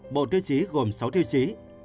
bộ tiêu chí gồm sáu tiêu chí